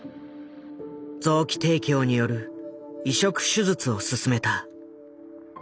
臓器提供による移植手術を勧めた。